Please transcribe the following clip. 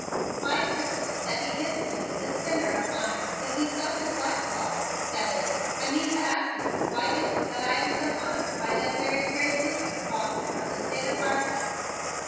"Why is it then that he gives to me this dinner of honor when he so dislikes all that is, I mean to ask of you why is it that I am so honored by that very great Gouverneur Faulkner of the State of Harpeth?"